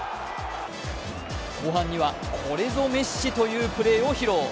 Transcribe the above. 後半にはこれぞメッシというプレーを披露。